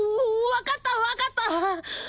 分かった分かった！